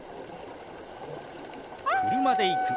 「車で行く」。